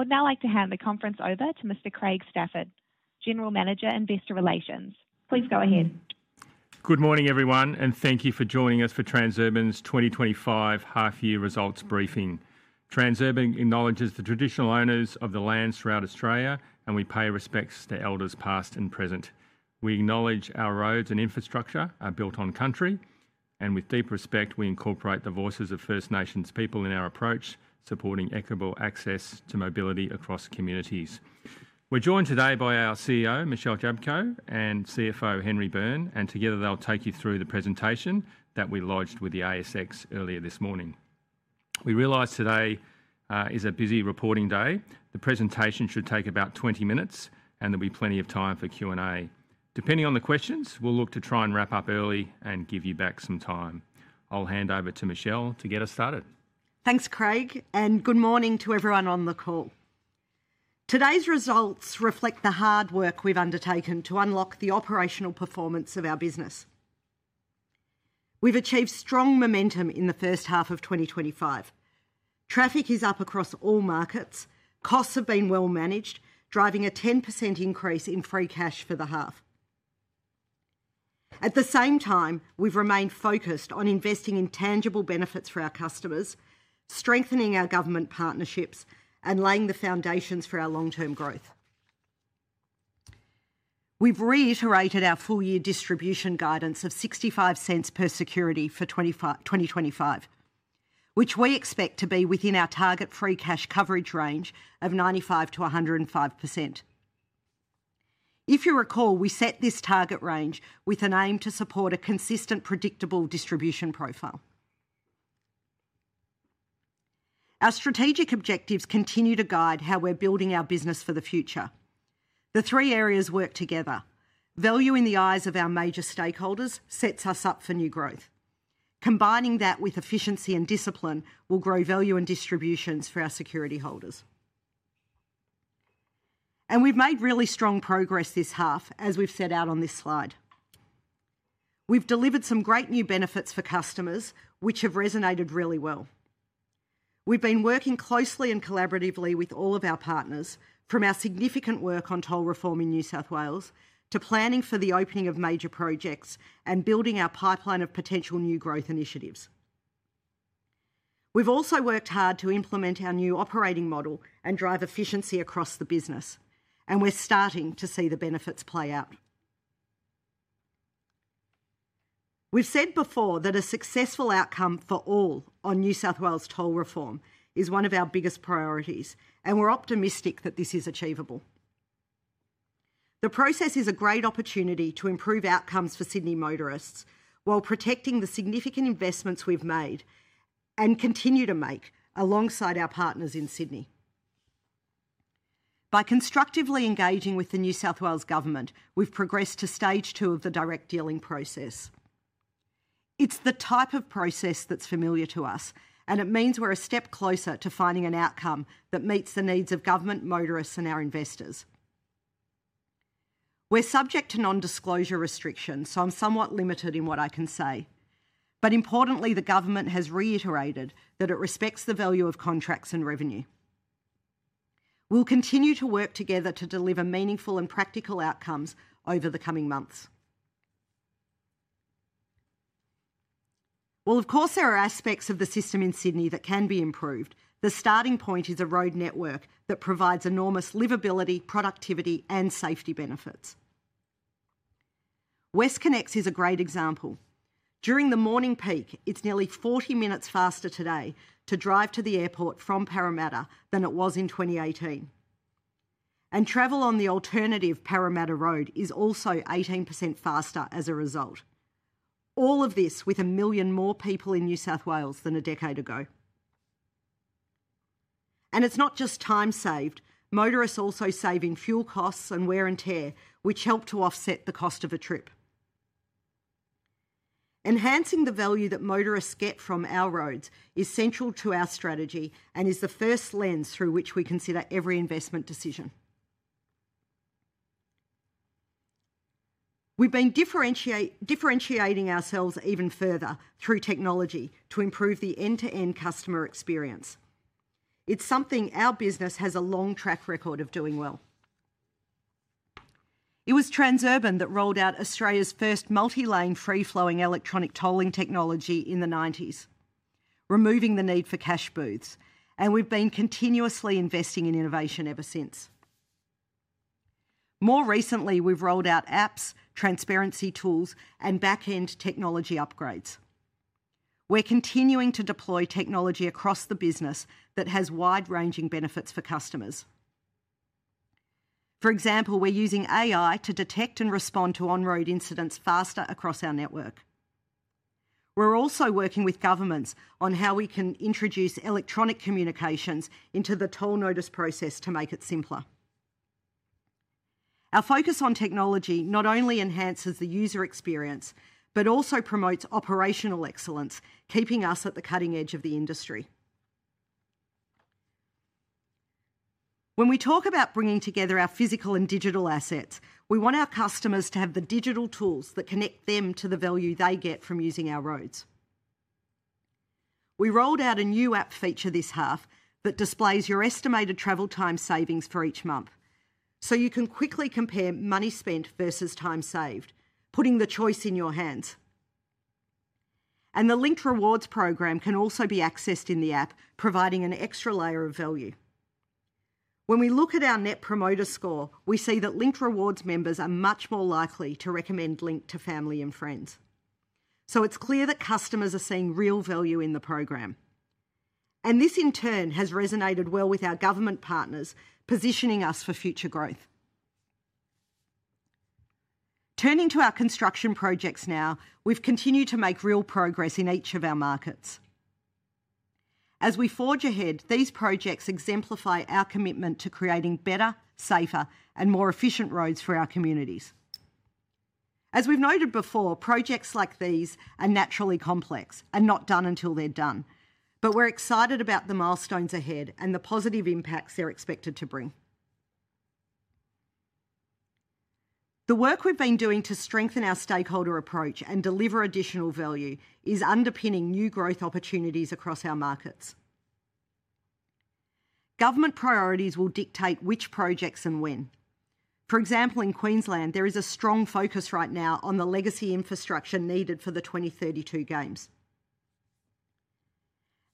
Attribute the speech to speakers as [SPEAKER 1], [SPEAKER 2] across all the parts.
[SPEAKER 1] I would now like to hand the conference over to Mr. Craig Stafford, General Manager, Investor Relations. Please go ahead.
[SPEAKER 2] Good morning, everyone, and thank you for joining us for Transurban's 2025 half-year results briefing. Transurban acknowledges the traditional owners of the lands throughout Australia, and we pay respects to elders past and present. We acknowledge our roads and infrastructure are built on country, and with deep respect, we incorporate the voices of First Nations people in our approach supporting equitable access to mobility across communities. We're joined today by our CEO, Michelle Jablko, and CFO, Henry Byrne, and together they'll take you through the presentation that we lodged with the ASX earlier this morning. We realize today is a busy reporting day. The presentation should take about 20 minutes, and there'll be plenty of time for Q&A. Depending on the questions, we'll look to try and wrap up early and give you back some time. I'll hand over to Michelle to get us started.
[SPEAKER 3] Thanks, Craig, and good morning to everyone on the call. Today's results reflect the hard work we've undertaken to unlock the operational performance of our business. We've achieved strong momentum in the first half of 2025. Traffic is up across all markets. Costs have been well managed, driving a 10% increase in free cash for the half. At the same time, we've remained focused on investing in tangible benefits for our customers, strengthening our government partnerships, and laying the foundations for our long-term growth. We've reiterated our full-year distribution guidance of 0.65 per security for 2025, which we expect to be within our target free cash coverage range of 95%-105%. If you recall, we set this target range with an aim to support a consistent, predictable distribution profile. Our strategic objectives continue to guide how we're building our business for the future. The three areas work together. Value in the eyes of our major stakeholders sets us up for new growth. Combining that with efficiency and discipline will grow value and distributions for our security holders. And we've made really strong progress this half, as we've set out on this slide. We've delivered some great new benefits for customers, which have resonated really well. We've been working closely and collaboratively with all of our partners, from our significant work on toll reform in New South Wales to planning for the opening of major projects and building our pipeline of potential new growth initiatives. We've also worked hard to implement our new operating model and drive efficiency across the business, and we're starting to see the benefits play out. We've said before that a successful outcome for all on New South Wales toll reform is one of our biggest priorities, and we're optimistic that this is achievable. The process is a great opportunity to improve outcomes for Sydney motorists while protecting the significant investments we've made and continue to make alongside our partners in Sydney. By constructively engaging with the New South Wales Government, we've progressed to stage two of the direct dealing process. It's the type of process that's familiar to us, and it means we're a step closer to finding an outcome that meets the needs of the government, motorists and our investors. We're subject to non-disclosure restrictions, so I'm somewhat limited in what I can say. But importantly, the government has reiterated that it respects the value of contracts and revenue. We'll continue to work together to deliver meaningful and practical outcomes over the coming months. Of course, there are aspects of the system in Sydney that can be improved. The starting point is a road network that provides enormous livability, productivity, and safety benefits. WestConnex is a great example. During the morning peak, it's nearly 40 minutes faster today to drive to the airport from Parramatta than it was in 2018. And travel on the alternative Parramatta Road is also 18% faster as a result. All of this with a million more people in New South Wales than a decade ago. And it's not just time saved. Motorists also save in fuel costs and wear and tear, which help to offset the cost of a trip. Enhancing the value that motorists get from our roads is central to our strategy and is the first lens through which we consider every investment decision. We've been differentiating ourselves even further through technology to improve the end-to-end customer experience. It's something our business has a long track record of doing well. It was Transurban that rolled out Australia's first multi-lane free-flowing electronic tolling technology in the '90s, removing the need for cash booths, and we've been continuously investing in innovation ever since. More recently, we've rolled out apps, transparency tools, and back-end technology upgrades. We're continuing to deploy technology across the business that has wide-ranging benefits for customers. For example, we're using AI to detect and respond to on-road incidents faster across our network. We're also working with governments on how we can introduce electronic communications into the toll notice process to make it simpler. Our focus on technology not only enhances the user experience, but also promotes operational excellence, keeping us at the cutting edge of the industry. When we talk about bringing together our physical and digital assets, we want our customers to have the digital tools that connect them to the value they get from using our roads. We rolled out a new app feature this half that displays your estimated travel time savings for each month, so you can quickly compare money spent versus time saved, putting the choice in your hands, and the Linkt Rewards program can also be accessed in the app, providing an extra layer of value. When we look at our Net Promoter Score, we see that Linkt Rewards members are much more likely to recommend Linkt to family and friends, so it's clear that customers are seeing real value in the program, and this, in turn, has resonated well with our government partners, positioning us for future growth. Turning to our construction projects now, we've continued to make real progress in each of our markets. As we forge ahead, these projects exemplify our commitment to creating better, safer, and more efficient roads for our communities. As we've noted before, projects like these are naturally complex and not done until they're done, but we're excited about the milestones ahead and the positive impacts they're expected to bring. The work we've been doing to strengthen our stakeholder approach and deliver additional value is underpinning new growth opportunities across our markets. Government priorities will dictate which projects and when. For example, in Queensland, there is a strong focus right now on the legacy infrastructure needed for the 2032 Games.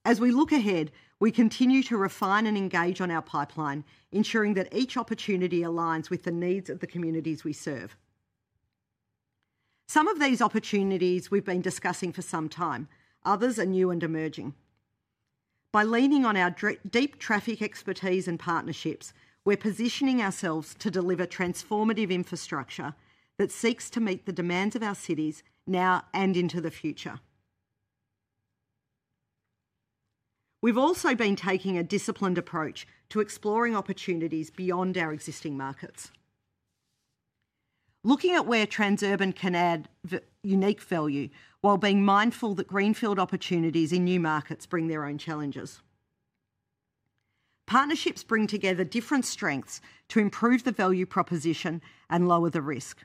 [SPEAKER 3] As we look ahead, we continue to refine and engage on our pipeline, ensuring that each opportunity aligns with the needs of the communities we serve. Some of these opportunities we've been discussing for some time. Others are new and emerging. By leaning on our deep traffic expertise and partnerships, we're positioning ourselves to deliver transformative infrastructure that seeks to meet the demands of our cities now and into the future. We've also been taking a disciplined approach to exploring opportunities beyond our existing markets, looking at where Transurban can add unique value while being mindful that greenfield opportunities in new markets bring their own challenges. Partnerships bring together different strengths to improve the value proposition and lower the risk.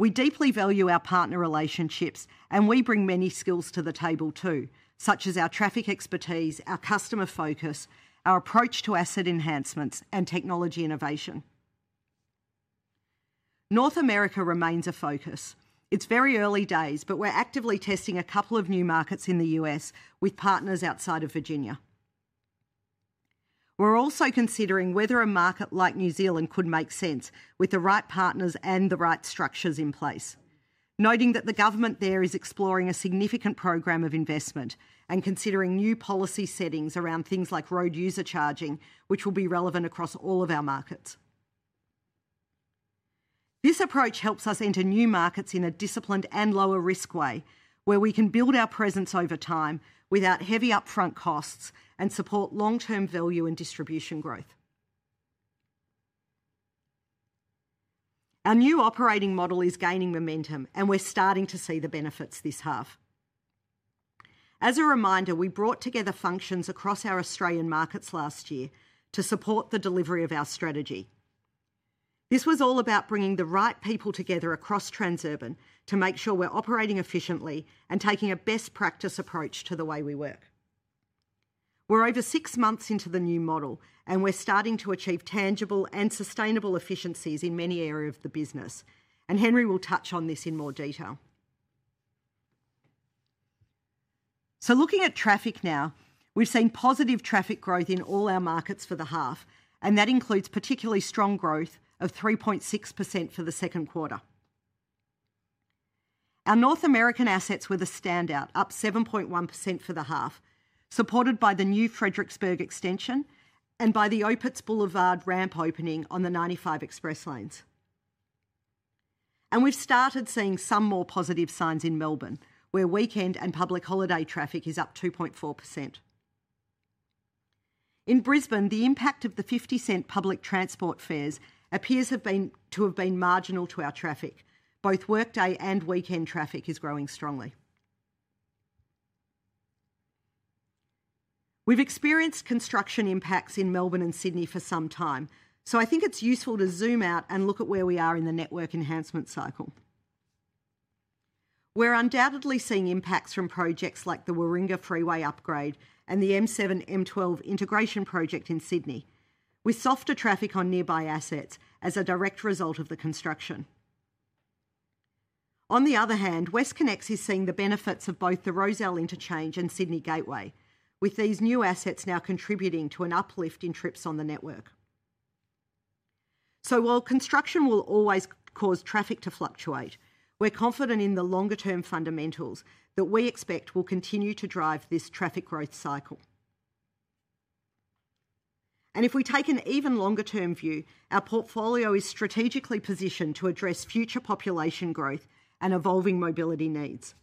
[SPEAKER 3] We deeply value our partner relationships, and we bring many skills to the table too, such as our traffic expertise, our customer focus, our approach to asset enhancements, and technology innovation. North America remains a focus. It's very early days, but we're actively testing a couple of new markets in the U.S. with partners outside of Virginia. We're also considering whether a market like New Zealand could make sense with the right partners and the right structures in place, noting that the government there is exploring a significant program of investment and considering new policy settings around things like road user charging, which will be relevant across all of our markets. This approach helps us enter new markets in a disciplined and lower-risk way, where we can build our presence over time without heavy upfront costs and support long-term value and distribution growth. Our new operating model is gaining momentum, and we're starting to see the benefits this half. As a reminder, we brought together functions across our Australian markets last year to support the delivery of our strategy. This was all about bringing the right people together across Transurban to make sure we're operating efficiently and taking a best practice approach to the way we work. We're over six months into the new model, and we're starting to achieve tangible and sustainable efficiencies in many areas of the business, and Henry will touch on this in more detail. So looking at traffic now, we've seen positive traffic growth in all our markets for the half, and that includes particularly strong growth of 3.6% for the second quarter. Our North American assets were the standout, up 7.1% for the half, supported by the new Fredericksburg Extension and by the Opitz Boulevard ramp opening on the 95 Express Lanes. And we've started seeing some more positive signs in Melbourne, where weekend and public holiday traffic is up 2.4%. In Brisbane, the impact of the AUD .50 public transport fares appears to have been marginal to our traffic. Both workday and weekend traffic is growing strongly. We've experienced construction impacts in Melbourne and Sydney for some time, so I think it's useful to zoom out and look at where we are in the network enhancement cycle. We're undoubtedly seeing impacts from projects like the Warringah Freeway Upgrade and the M7-M12 Integration Project in Sydney, with softer traffic on nearby assets as a direct result of the construction. On the other hand, WestConnex is seeing the benefits of both the Rozelle Interchange and Sydney Gateway, with these new assets now contributing to an uplift in trips on the network. So while construction will always cause traffic to fluctuate, we're confident in the longer-term fundamentals that we expect will continue to drive this traffic growth cycle. And if we take an even longer-term view, our portfolio is strategically positioned to address future population growth and evolving mobility needs.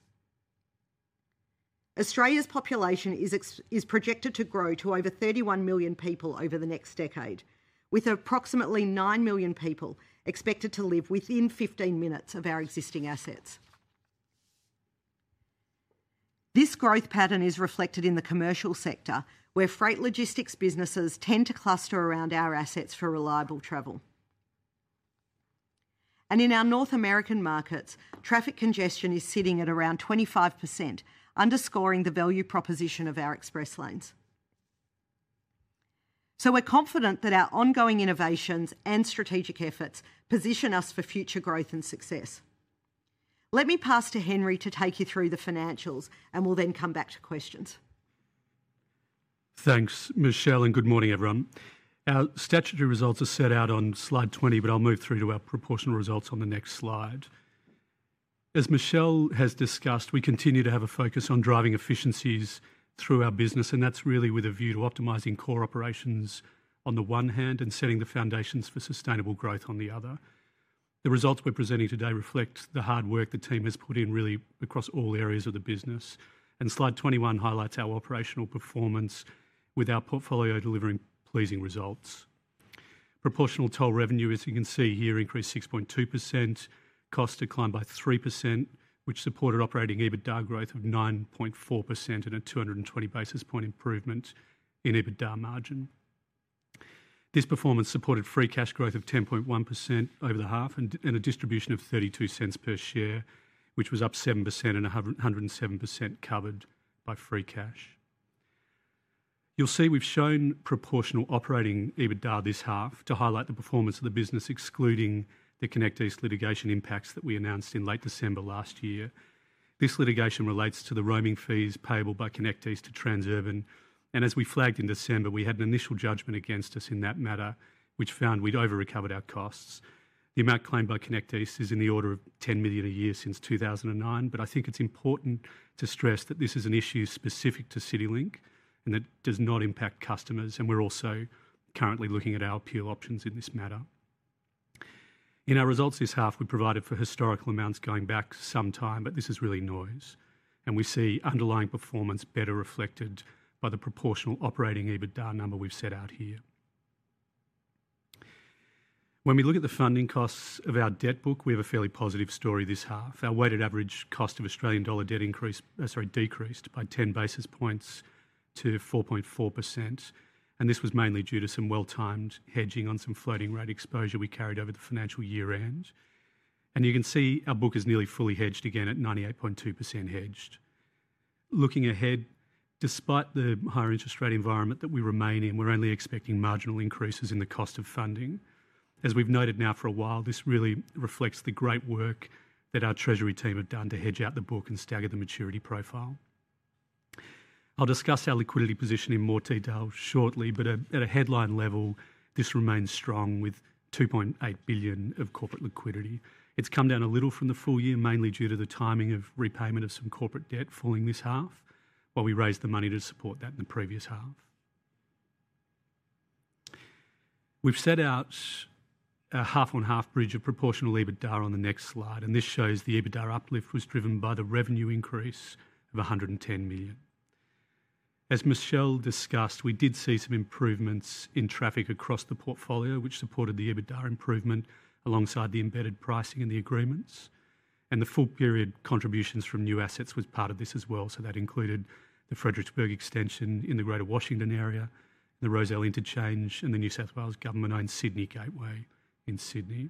[SPEAKER 3] Australia's population is projected to grow to over 31 million people over the next decade, with approximately 9 million people expected to live within 15 minutes of our existing assets. This growth pattern is reflected in the commercial sector, where freight logistics businesses tend to cluster around our assets for reliable travel. In our North American markets, traffic congestion is sitting at around 25%, underscoring the value proposition of our express lanes. We're confident that our ongoing innovations and strategic efforts position us for future growth and success. Let me pass to Henry to take you through the financials, and we'll then come back to questions.
[SPEAKER 4] Thanks, Michelle, and good morning, everyone. Our statutory results are set out on slide 20, but I'll move through to our proportional results on the next slide. As Michelle has discussed, we continue to have a focus on driving efficiencies through our business, and that's really with a view to optimizing core operations on the one hand and setting the foundations for sustainable growth on the other. The results we're presenting today reflect the hard work the team has put in really across all areas of the business. And slide 21 highlights our operational performance with our portfolio delivering pleasing results. Proportional toll revenue, as you can see here, increased 6.2%. Costs declined by 3%, which supported operating EBITDA growth of 9.4% and a 220 basis point improvement in EBITDA margin. This performance supported free cash growth of 10.1% over the half and a distribution of 0.32 per share, which was up 7% and 107% covered by free cash. You'll see we've shown proportional operating EBITDA this half to highlight the performance of the business, excluding the ConnectEast litigation impacts that we announced in late December last year. This litigation relates to the roaming fees payable by ConnectEast to Transurban. And as we flagged in December, we had an initial judgment against us in that matter, which found we'd over-recovered our costs. The amount claimed by ConnectEast is in the order of 10 million a year since 2009, but I think it's important to stress that this is an issue specific to CityLink and that does not impact customers, and we're also currently looking at our appeal options in this matter. In our results this half, we provided for historical amounts going back some time, but this is really noise. And we see underlying performance better reflected by the proportional operating EBITDA number we've set out here. When we look at the funding costs of our debt book, we have a fairly positive story this half. Our weighted average cost of Australian dollar debt increased by 10 basis points to 4.4%. And this was mainly due to some well-timed hedging on some floating rate exposure we carried over the financial year end. And you can see our book is nearly fully hedged again at 98.2% hedged. Looking ahead, despite the higher interest rate environment that we remain in, we're only expecting marginal increases in the cost of funding. As we've noted now for a while, this really reflects the great work that our treasury team have done to hedge out the book and stagger the maturity profile. I'll discuss our liquidity position in more detail shortly, but at a headline level, this remains strong with 2.8 billion of corporate liquidity. It's come down a little from the full year, mainly due to the timing of repayment of some corporate debt falling this half, while we raised the money to support that in the previous half. We've set out a half-on-half bridge of proportional EBITDA on the next slide, and this shows the EBITDA uplift was driven by the revenue increase of 110 million. As Michelle discussed, we did see some improvements in traffic across the portfolio, which supported the EBITDA improvement alongside the embedded pricing and the agreements, and the full-period contributions from new assets was part of this as well, so that included the Fredericksburg Extension in the Greater Washington Area, the Rozelle Interchange, and the New South Wales Government-owned Sydney Gateway in Sydney.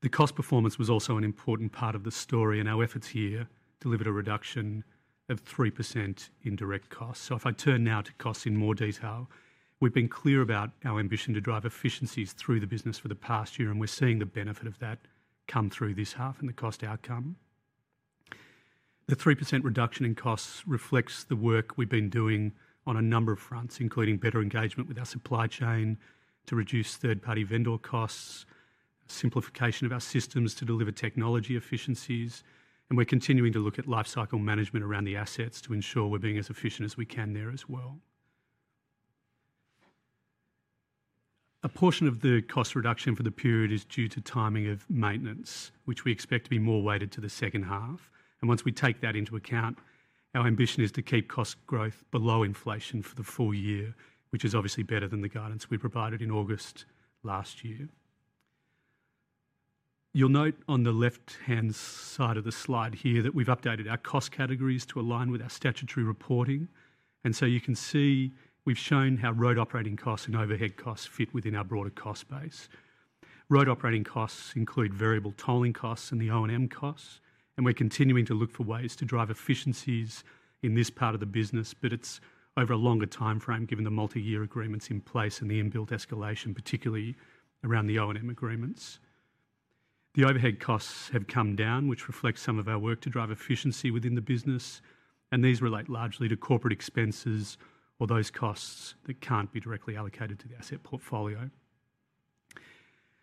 [SPEAKER 4] The cost performance was also an important part of the story, and our efforts here delivered a reduction of 3% in direct costs. So if I turn now to costs in more detail, we've been clear about our ambition to drive efficiencies through the business for the past year, and we're seeing the benefit of that come through this half and the cost outcome. The 3% reduction in costs reflects the work we've been doing on a number of fronts, including better engagement with our supply chain to reduce third-party vendor costs, simplification of our systems to deliver technology efficiencies, and we're continuing to look at lifecycle management around the assets to ensure we're being as efficient as we can there as well. A portion of the cost reduction for the period is due to timing of maintenance, which we expect to be more weighted to the second half. Once we take that into account, our ambition is to keep cost growth below inflation for the full year, which is obviously better than the guidance we provided in August last year. You'll note on the left-hand side of the slide here that we've updated our cost categories to align with our statutory reporting. So you can see we've shown how road operating costs and overhead costs fit within our broader cost base. Road operating costs include variable tolling costs and the O&M costs, and we're continuing to look for ways to drive efficiencies in this part of the business, but it's over a longer timeframe given the multi-year agreements in place and the inbuilt escalation, particularly around the O&M agreements. The overhead costs have come down, which reflects some of our work to drive efficiency within the business, and these relate largely to corporate expenses or those costs that can't be directly allocated to the asset portfolio.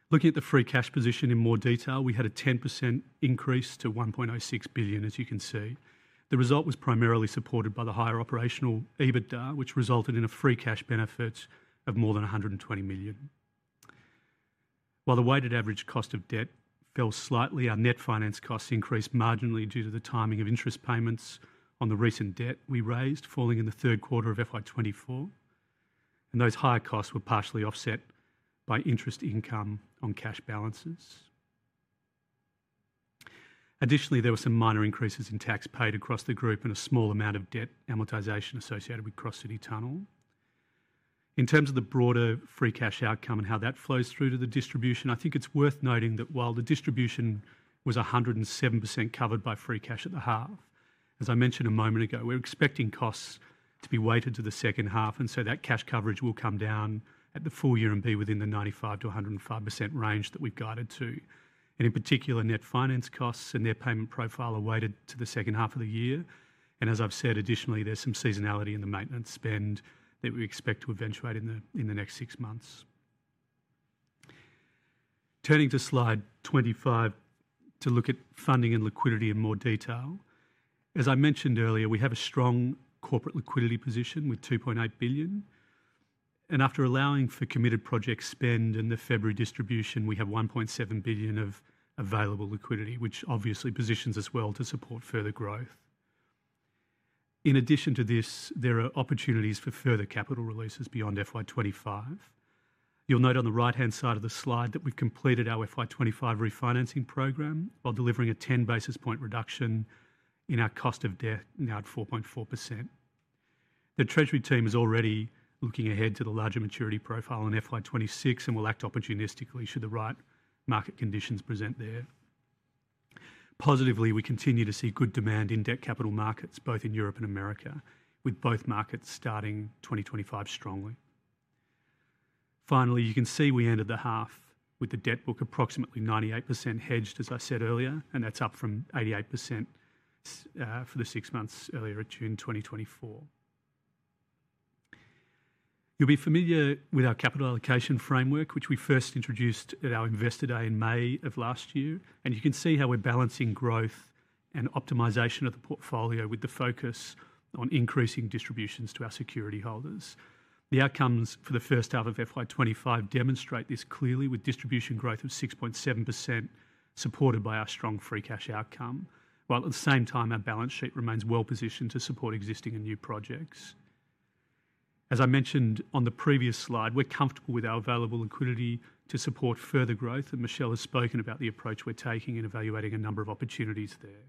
[SPEAKER 4] Looking at the free cash position in more detail, we had a 10% increase to 1.06 billion, as you can see. The result was primarily supported by the higher operational EBITDA, which resulted in a free cash benefit of more than 120 million. While the weighted average cost of debt fell slightly, our net finance costs increased marginally due to the timing of interest payments on the recent debt we raised, falling in the third quarter of FY 2024. Those higher costs were partially offset by interest income on cash balances. Additionally, there were some minor increases in tax paid across the group and a small amount of debt amortization associated with Cross City Tunnel. In terms of the broader free cash outcome and how that flows through to the distribution, I think it's worth noting that while the distribution was 107% covered by free cash at the half, as I mentioned a moment ago, we're expecting costs to be weighted to the second half, and so that cash coverage will come down at the full year and be within the 95%-105% range that we've guided to. And in particular, net finance costs and their payment profile are weighted to the second half of the year. And as I've said, additionally, there's some seasonality in the maintenance spend that we expect to eventuate in the next six months. Turning to slide 25 to look at funding and liquidity in more detail. As I mentioned earlier, we have a strong corporate liquidity position with 2.8 billion. After allowing for committed project spend and the February distribution, we have 1.7 billion of available liquidity, which obviously positions us well to support further growth. In addition to this, there are opportunities for further capital releases beyond FY 2025. You'll note on the right-hand side of the slide that we've completed our FY 2025 refinancing program while delivering a 10 basis point reduction in our cost of debt now at 4.4%. The treasury team is already looking ahead to the larger maturity profile in FY 2026 and will act opportunistically should the right market conditions present there. Positively, we continue to see good demand in debt capital markets both in Europe and America, with both markets starting 2025 strongly. Finally, you can see we ended the half with the debt book approximately 98% hedged, as I said earlier, and that's up from 88% for the six months earlier in June 2024. You'll be familiar with our capital allocation framework, which we first introduced at our Investor Day in May of last year, and you can see how we're balancing growth and optimization of the portfolio with the focus on increasing distributions to our security holders. The outcomes for the first half of FY 2025 demonstrate this clearly with distribution growth of 6.7% supported by our strong free cash outcome, while at the same time, our balance sheet remains well-positioned to support existing and new projects. As I mentioned on the previous slide, we're comfortable with our available liquidity to support further growth, and Michelle has spoken about the approach we're taking in evaluating a number of opportunities there.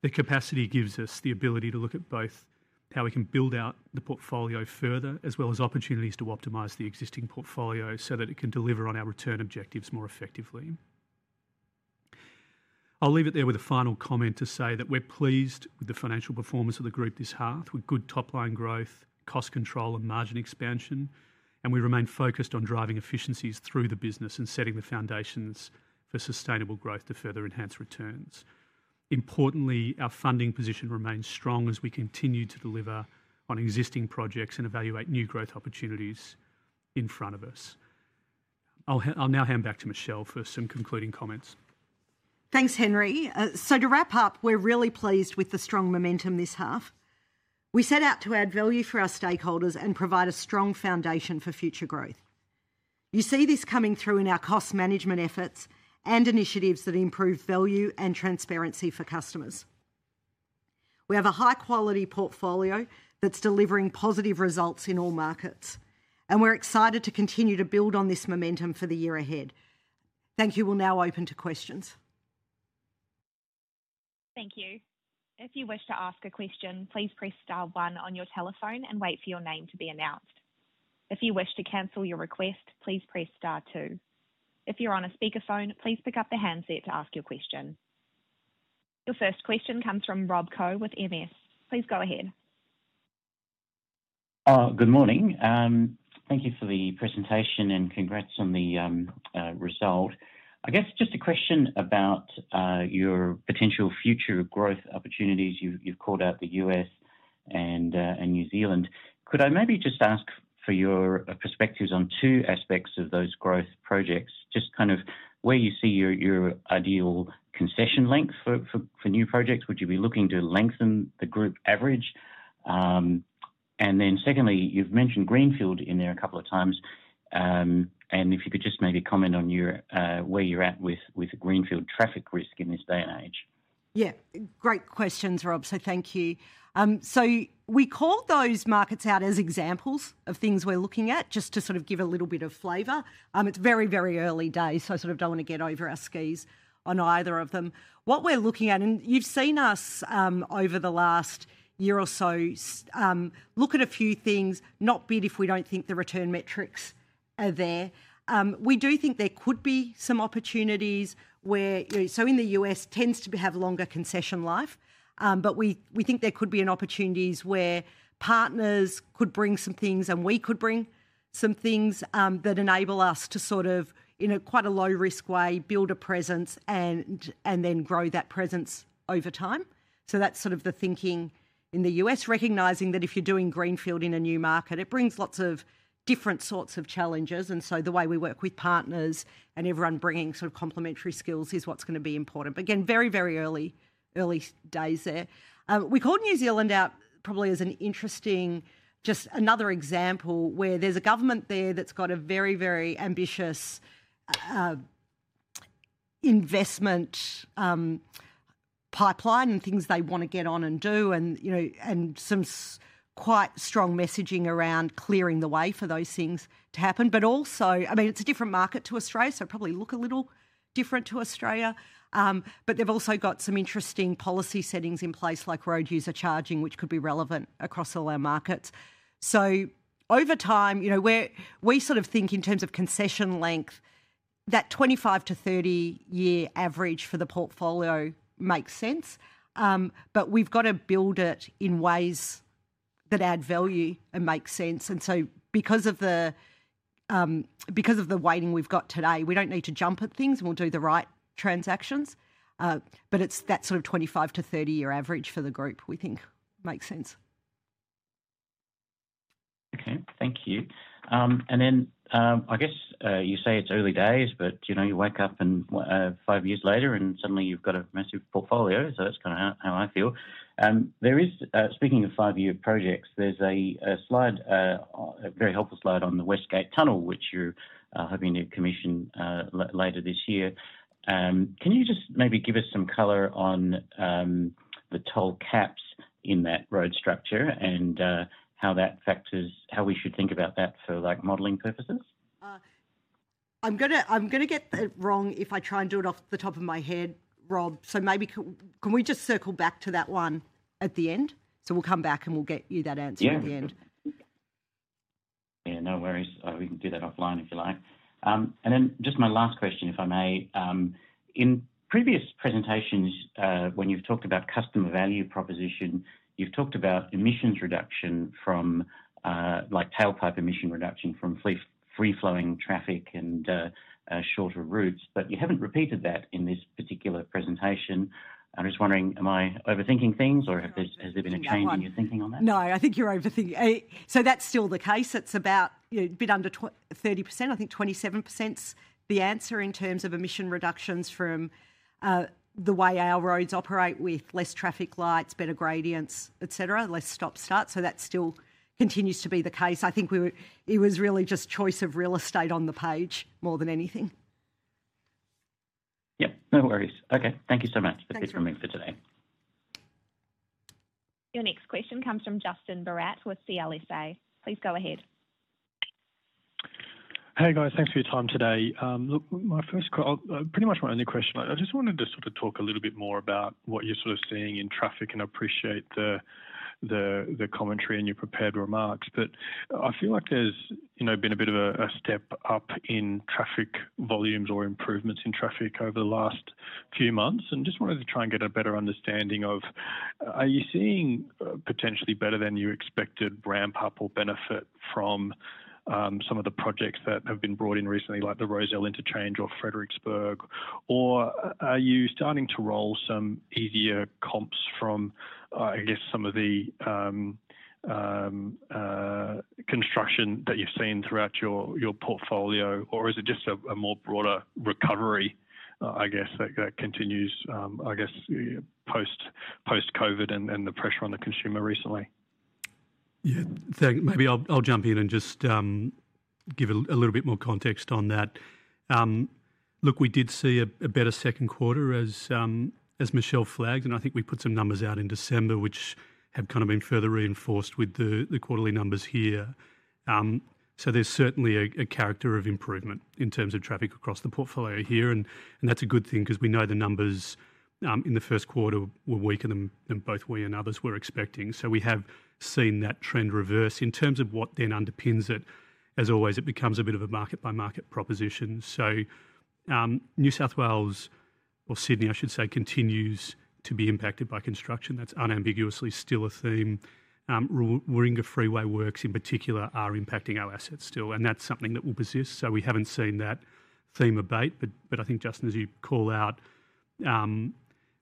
[SPEAKER 4] The capacity gives us the ability to look at both how we can build out the portfolio further, as well as opportunities to optimize the existing portfolio so that it can deliver on our return objectives more effectively. I'll leave it there with a final comment to say that we're pleased with the financial performance of the group this half with good top-line growth, cost control, and margin expansion, and we remain focused on driving efficiencies through the business and setting the foundations for sustainable growth to further enhance returns. Importantly, our funding position remains strong as we continue to deliver on existing projects and evaluate new growth opportunities in front of us. I'll now hand back to Michelle for some concluding comments.
[SPEAKER 3] Thanks, Henry. So to wrap up, we're really pleased with the strong momentum this half. We set out to add value for our stakeholders and provide a strong foundation for future growth. You see this coming through in our cost management efforts and initiatives that improve value and transparency for customers. We have a high-quality portfolio that's delivering positive results in all markets, and we're excited to continue to build on this momentum for the year ahead. Thank you. We'll now open to questions.
[SPEAKER 1] Thank you. If you wish to ask a question, please press star one on your telephone and wait for your name to be announced. If you wish to cancel your request, please press star two. If you're on a speakerphone, please pick up the handset to ask your question. Your first question comes from Rob Koh with Morgan Stanley. Please go ahead.
[SPEAKER 5] Good morning. Thank you for the presentation and congrats on the result. I guess just a question about your potential future growth opportunities. You've called out the U.S. and New Zealand. Could I maybe just ask for your perspectives on two aspects of those growth projects, just kind of where you see your ideal concession length for new projects? Would you be looking to lengthen the group average? And then secondly, you've mentioned Greenfield in there a couple of times. And if you could just maybe comment on where you're at with Greenfield traffic risk in this day and age.
[SPEAKER 3] Yeah. Great questions, Rob, so thank you, so we called those markets out as examples of things we're looking at just to sort of give a little bit of flavor. It's very, very early days, so I sort of don't want to get over our skis on either of them. What we're looking at, and you've seen us over the last year or so, look at a few things, not bite if we don't think the return metrics are there. We do think there could be some opportunities where, so in the U.S., tends to have longer concession life, but we think there could be opportunities where partners could bring some things and we could bring some things that enable us to sort of, in quite a low-risk way, build a presence and then grow that presence over time. So that's sort of the thinking in the U.S., recognizing that if you're doing Greenfield in a new market, it brings lots of different sorts of challenges. And so the way we work with partners and everyone bringing sort of complementary skills is what's going to be important. But again, very, very early days there. We called New Zealand out probably as an interesting, just another example where there's a government there that's got a very, very ambitious investment pipeline and things they want to get on and do and some quite strong messaging around clearing the way for those things to happen. But also, I mean, it's a different market to Australia, so it probably looks a little different to Australia. They've also got some interesting policy settings in place, like road user charging, which could be relevant across all our markets. Over time, we sort of think in terms of concession length, that 25-30-year average for the portfolio makes sense, but we've got to build it in ways that add value and make sense. Because of the weighting we've got today, we don't need to jump at things and we'll do the right transactions. But that sort of 25- 30-year average for the group, we think, makes sense.
[SPEAKER 5] Okay. Thank you. And then I guess you say it's early days, but you wake up five years later and suddenly you've got a massive portfolio. So that's kind of how I feel. Speaking of five-year projects, there's a very helpful slide on the West Gate Tunnel, which you're hoping to commission later this year. Can you just maybe give us some color on the toll caps in that road structure and how we should think about that for modeling purposes?
[SPEAKER 3] I'm going to get it wrong if I try and do it off the top of my head, Rob. So maybe can we just circle back to that one at the end? So we'll come back and we'll get you that answer at the end.
[SPEAKER 5] Yeah. No worries. We can do that offline if you like, and then just my last question, if I may. In previous presentations, when you've talked about customer value proposition, you've talked about emissions reduction from tailpipe emission reduction from free-flowing traffic and shorter routes, but you haven't repeated that in this particular presentation. I'm just wondering, am I overthinking things or has there been a change in your thinking on that?
[SPEAKER 3] No, I think you're overthinking, so that's still the case. It's about a bit under 30%. I think 27%'s the answer in terms of emission reductions from the way our roads operate with less traffic lights, better gradients, etc., less stop-start, so that still continues to be the case. I think it was really just choice of real estate on the page more than anything.
[SPEAKER 5] Yep. No worries. Okay. Thank you so much. That's it from me for today.
[SPEAKER 1] Your next question comes from Justin Barratt with CLSA. Please go ahead.
[SPEAKER 6] Hey, guys. Thanks for your time today. Look, my first question, pretty much my only question. I just wanted to sort of talk a little bit more about what you're sort of seeing in traffic and appreciate the commentary and your prepared remarks. But I feel like there's been a bit of a step up in traffic volumes or improvements in traffic over the last few months. And just wanted to try and get a better understanding of, are you seeing potentially better than you expected ramp-up or benefit from some of the projects that have been brought in recently, like the Rozelle Interchange or Fredericksburg? Or are you starting to roll some easier comps from, I guess, some of the construction that you've seen throughout your portfolio? Or is it just a more broader recovery, I guess, that continues, I guess, post-COVID and the pressure on the consumer recently?
[SPEAKER 4] Yeah. Maybe I'll jump in and just give a little bit more context on that. Look, we did see a better second quarter, as Michelle flagged, and I think we put some numbers out in December, which have kind of been further reinforced with the quarterly numbers here. So there's certainly a character of improvement in terms of traffic across the portfolio here. And that's a good thing because we know the numbers in the first quarter were weaker than both we and others were expecting. So we have seen that trend reverse. In terms of what then underpins it, as always, it becomes a bit of a market-by-market proposition. So New South Wales or Sydney, I should say, continues to be impacted by construction. That's unambiguously still a theme. Warringah Freeway works, in particular, are impacting our assets still, and that's something that will persist. So we haven't seen that theme abate. But I think, Justin, as you call out,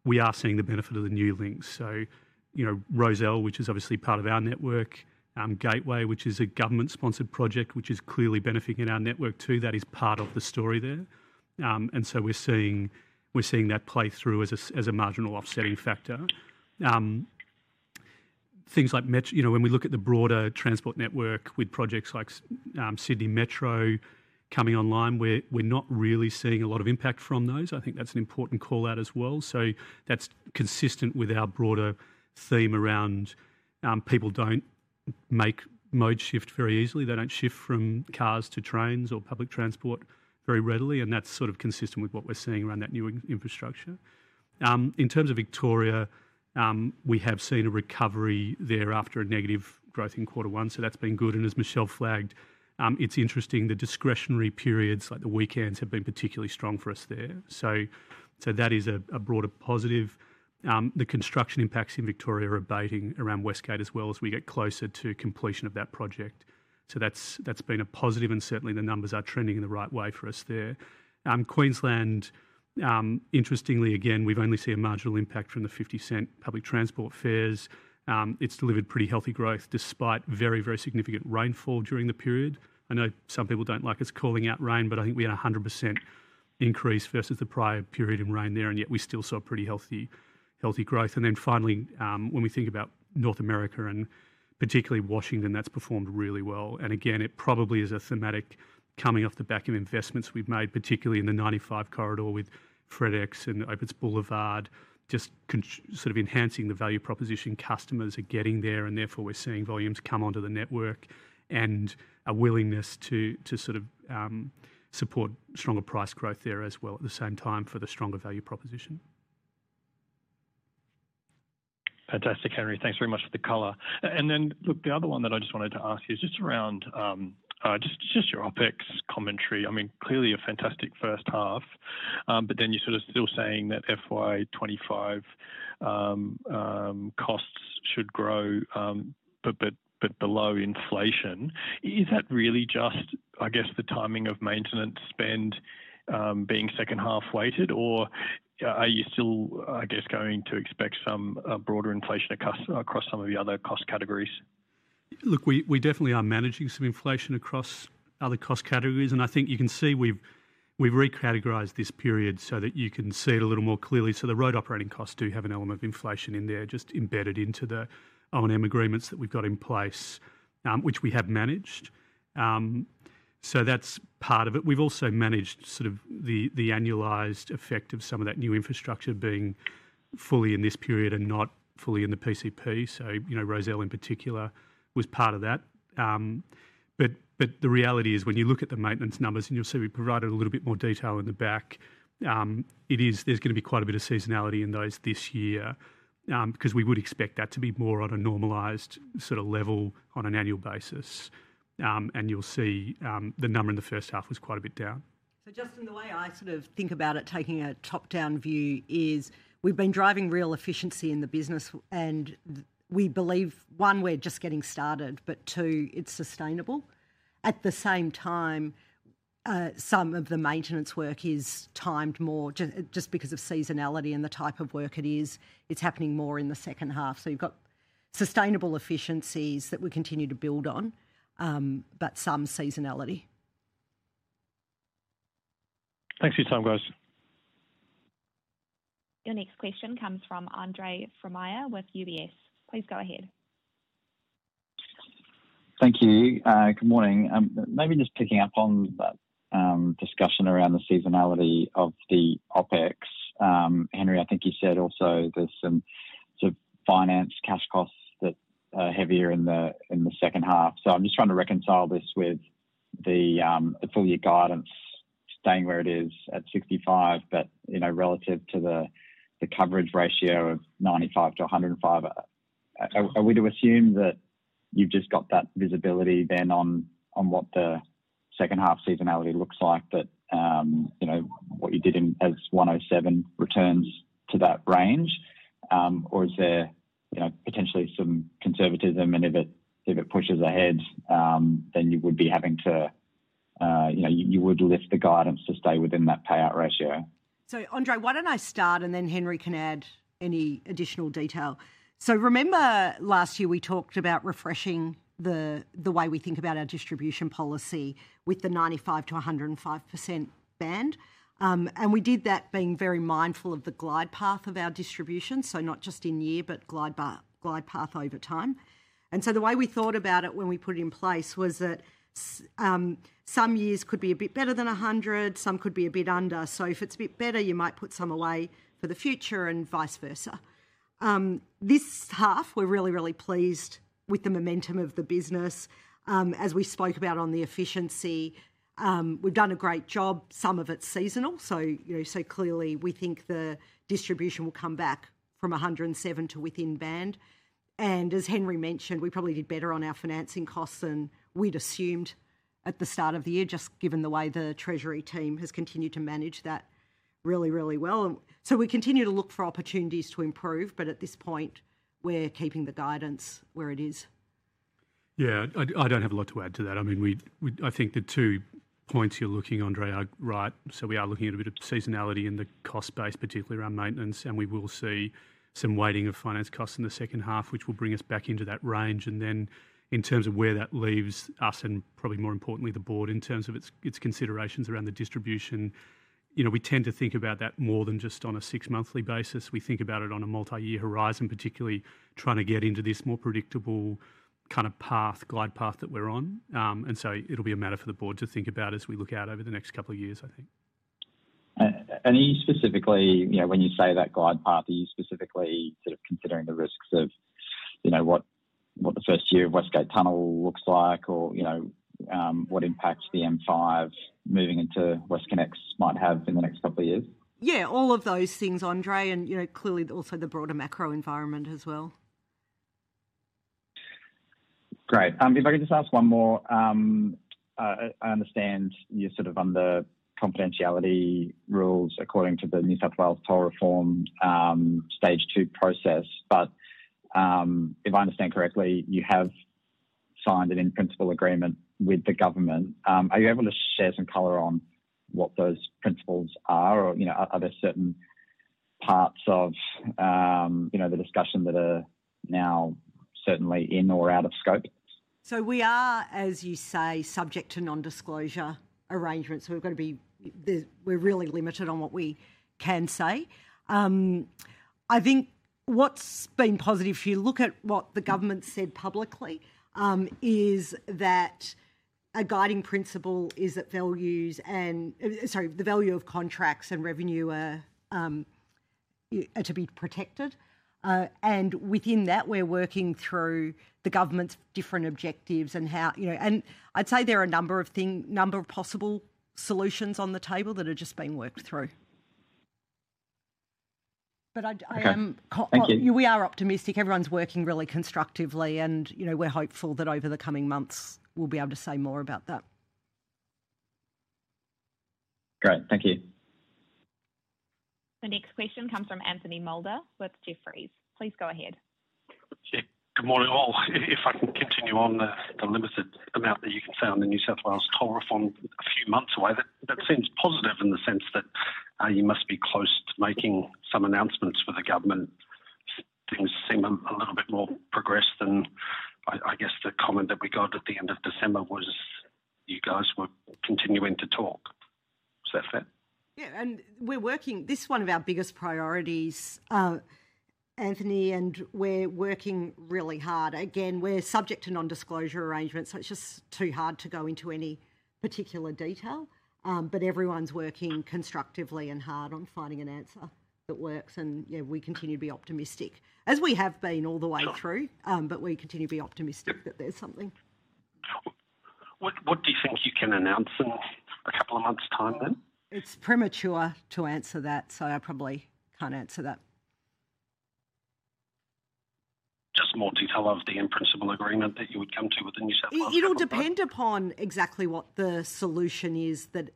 [SPEAKER 4] we are seeing the benefit of the new links. So Rozelle, which is obviously part of our network, Gateway, which is a government-sponsored project, which is clearly benefiting our network too, that is part of the story there. And so we're seeing that play through as a marginal offsetting factor. Things like metro, when we look at the broader transport network with projects like Sydney Metro coming online, we're not really seeing a lot of impact from those. I think that's an important call out as well. So that's consistent with our broader theme around people don't make mode shift very easily. They don't shift from cars to trains or public transport very readily. That's sort of consistent with what we're seeing around that new infrastructure. In terms of Victoria, we have seen a recovery there after a negative growth in quarter one. That's been good. As Michelle flagged, it's interesting, the discretionary periods, like the weekends, have been particularly strong for us there. That is a broader positive. The construction impacts in Victoria are abating around West Gate as well as we get closer to completion of that project. That's been a positive, and certainly the numbers are trending in the right way for us there. Queensland, interestingly, again, we've only seen a marginal impact from the 0.50 public transport fares. It's delivered pretty healthy growth despite very, very significant rainfall during the period. I know some people don't like us calling out rain, but I think we had a 100% increase versus the prior period in rain there, and yet we still saw pretty healthy growth. And then finally, when we think about North America and particularly Washington, that's performed really well. And again, it probably is a thematic coming off the back of investments we've made, particularly in the 95 corridor with Fred Ex and Opitz Boulevard, just sort of enhancing the value proposition customers are getting there. And therefore, we're seeing volumes come onto the network and a willingness to sort of support stronger price growth there as well at the same time for the stronger value proposition.
[SPEAKER 6] Fantastic, Henry. Thanks very much for the color. And then, look, the other one that I just wanted to ask you is just around just your OpEx commentary. I mean, clearly a fantastic first half, but then you're sort of still saying that FY 2025 costs should grow but below inflation. Is that really just, I guess, the timing of maintenance spend being second half weighted, or are you still, I guess, going to expect some broader inflation across some of the other cost categories?
[SPEAKER 4] Look, we definitely are managing some inflation across other cost categories. And I think you can see we've recategorized this period so that you can see it a little more clearly. So the road operating costs do have an element of inflation in there, just embedded into the O&M agreements that we've got in place, which we have managed. So that's part of it. We've also managed sort of the annualized effect of some of that new infrastructure being fully in this period and not fully in the PCP. Rozelle, in particular, was part of that. But the reality is, when you look at the maintenance numbers, and you'll see we provided a little bit more detail in the back, there's going to be quite a bit of seasonality in those this year because we would expect that to be more on a normalized sort of level on an annual basis. And you'll see the number in the first half was quite a bit down.
[SPEAKER 3] Justin, the way I sort of think about it, taking a top-down view, is we've been driving real efficiency in the business, and we believe, one, we're just getting started, but two, it's sustainable. At the same time, some of the maintenance work is timed more just because of seasonality and the type of work it is. It's happening more in the second half. So you've got sustainable efficiencies that we continue to build on, but some seasonality.
[SPEAKER 6] Thanks for your time, guys.
[SPEAKER 1] Your next question comes from Andre Fromyhr with UBS. Please go ahead.
[SPEAKER 7] Thank you. Good morning. Maybe just picking up on that discussion around the seasonality of the OpEx. Henry, I think you said also there's some sort of finance cash costs that are heavier in the second half. So I'm just trying to reconcile this with the full-year guidance staying where it is at 65, but relative to the coverage ratio of 95%-105%. Are we to assume that you've just got that visibility then on what the second half seasonality looks like, that what you did as 107 returns to that range? Or is there potentially some conservatism? And if it pushes ahead, then you would lift the guidance to stay within that payout ratio.
[SPEAKER 3] So, Andre, why don't I start, and then Henry can add any additional detail. So remember last year we talked about refreshing the way we think about our distribution policy with the 95%-105% band. And we did that being very mindful of the glide path of our distribution, so not just in year, but glide path over time. And so the way we thought about it when we put it in place was that some years could be a bit better than 100, some could be a bit under. So if it's a bit better, you might put some away for the future and vice versa. This half, we're really, really pleased with the momentum of the business. As we spoke about on the efficiency, we've done a great job. Some of it's seasonal. So clearly, we think the distribution will come back from 107 to within band. And as Henry mentioned, we probably did better on our financing costs than we'd assumed at the start of the year, just given the way the Treasury team has continued to manage that really, really well. So we continue to look for opportunities to improve, but at this point, we're keeping the guidance where it is.
[SPEAKER 4] Yeah. I don't have a lot to add to that. I mean, I think the two points you're looking, Andre, are right. So we are looking at a bit of seasonality in the cost base, particularly around maintenance. And we will see some weighting of finance costs in the second half, which will bring us back into that range. And then in terms of where that leaves us and probably more importantly, the board in terms of its considerations around the distribution, we tend to think about that more than just on a six-monthly basis. We think about it on a multi-year horizon, particularly trying to get into this more predictable kind of glide path that we're on. And so it'll be a matter for the board to think about as we look out over the next couple of years, I think.
[SPEAKER 7] And specifically, when you say that glide path, are you specifically sort of considering the risks of what the first year of West Gate Tunnel looks like or what impacts the M5 moving into WestConnex might have in the next couple of years?
[SPEAKER 3] Yeah, all of those things, Andre, and clearly also the broader macro environment as well.
[SPEAKER 7] Great. If I could just ask one more. I understand you're sort of under confidentiality rules according to the New South Wales toll reform Stage Two process. But if I understand correctly, you have signed an in-principle agreement with the government. Are you able to share some color on what those principles are? Or are there certain parts of the discussion that are now certainly in or out of scope?
[SPEAKER 3] So we are, as you say, subject to non-disclosure arrangements. So we're going to be really limited on what we can say. I think what's been positive, if you look at what the government said publicly, is that a guiding principle is that values and, sorry, the value of contracts and revenue are to be protected. And within that, we're working through the government's different objectives and how, and I'd say there are a number of possible solutions on the table that are just being worked through. But I am, we are optimistic. Everyone's working really constructively, and we're hopeful that over the coming months, we'll be able to say more about that.
[SPEAKER 7] Great. Thank you.
[SPEAKER 1] The next question comes from Anthony Moulder with Jefferies. Please go ahead.
[SPEAKER 8] Good morning all. If I can continue on the limited amount that you can say on the New South Wales toll reform a few months away, that seems positive in the sense that you must be close to making some announcements with the government. Things seem a little bit more progressed than I guess the comment that we got at the end of December was you guys were continuing to talk. Is that fair?
[SPEAKER 3] Yeah. And we're working, this is one of our biggest priorities, Anthony, and we're working really hard. Again, we're subject to non-disclosure arrangements, so it's just too hard to go into any particular detail. But everyone's working constructively and hard on finding an answer that works. And yeah, we continue to be optimistic, as we have been all the way through, but we continue to be optimistic that there's something.
[SPEAKER 8] What do you think you can announce in a couple of months' time then?
[SPEAKER 3] It's premature to answer that, so I'll probably can't answer that.
[SPEAKER 8] Just more detail of the in-principle agreement that you would come to with the New South Wales toll reform?
[SPEAKER 3] It'll depend upon exactly what the solution is that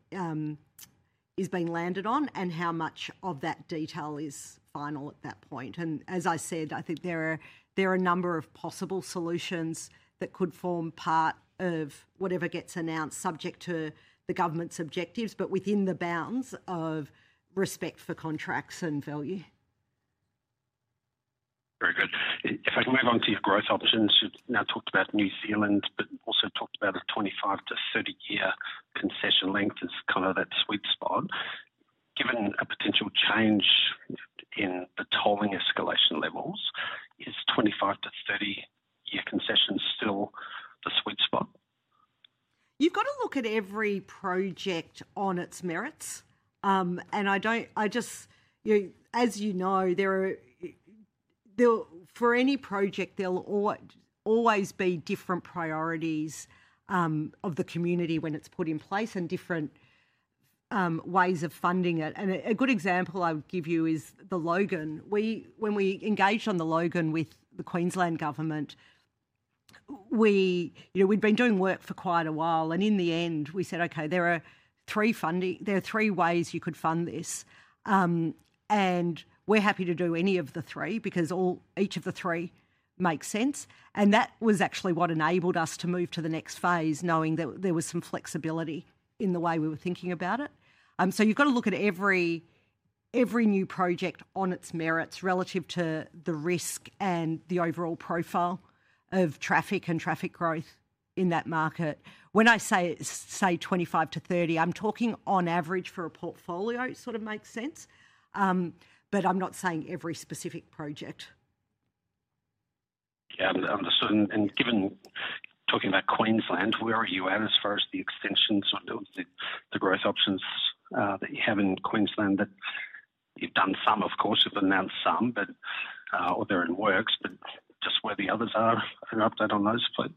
[SPEAKER 3] is being landed on and how much of that detail is final at that point. And as I said, I think there are a number of possible solutions that could form part of whatever gets announced, subject to the government's objectives, but within the bounds of respect for contracts and value.
[SPEAKER 8] Very good. If I can move on to your growth options, you've now talked about New Zealand, but also talked about a 25-30-year concession length as kind of that sweet spot. Given a potential change in the tolling escalation levels, is 25-30-year concession still the sweet spot?
[SPEAKER 3] You've got to look at every project on its merits. And I just, as you know, for any project, there'll always be different priorities of the community when it's put in place and different ways of funding it. And a good example I would give you is the Logan. When we engaged on the Logan with the Queensland Government, we'd been doing work for quite a while. And in the end, we said, "Okay, there are three ways you could fund this." And we're happy to do any of the three because each of the three makes sense. And that was actually what enabled us to move to the next phase, knowing that there was some flexibility in the way we were thinking about it. So you've got to look at every new project on its merits relative to the risk and the overall profile of traffic and traffic growth in that market. When I say 25-30, I'm talking on average for a portfolio, sort of makes sense. But I'm not saying every specific project.
[SPEAKER 8] Yeah, I understood. And given talking about Queensland, where are you at as far as the extensions, sort of the growth options that you have in Queensland? You've done some, of course, you've announced some, or they're in works, but just where the others are, an update on those, please.